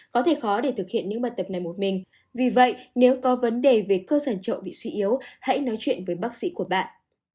có thể khó để thực hiện những bài tập này một mình vì vậy nếu có vấn đề về cơ sở bị suy yếu hãy nói chuyện với bác sĩ của bạn